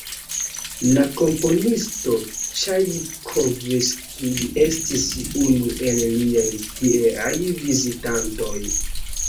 La komponisto Ĉajkovskij estis unu el liaj tieaj vizitantoj.